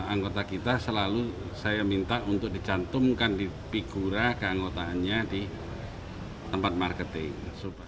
anggota kita selalu saya minta untuk dicantumkan di figura keanggotaannya di tempat marketing